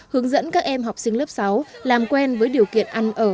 hướng dẫn các em học sinh lớp sáu làm quen với điều kiện ăn ở